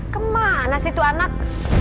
kemana situ anak